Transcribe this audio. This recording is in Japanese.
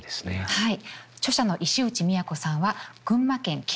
はい。